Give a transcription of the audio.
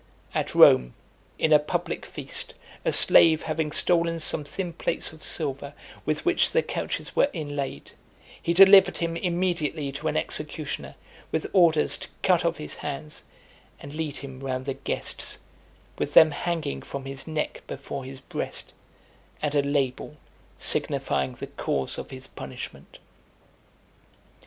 At Rome, in a public feast, a slave having stolen some thin plates of silver with which the couches were inlaid, he delivered him immediately to an executioner, with orders to cut off his hands, and lead him round the guests, with them hanging from his neck before his breast, and a label, signifying the cause of his punishment.